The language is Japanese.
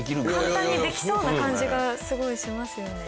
簡単にできそうな感じがすごいしますよね。